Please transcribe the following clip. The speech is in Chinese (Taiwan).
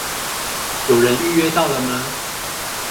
有人預約到了嗎？